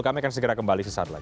kami akan segera kembali sesaat lagi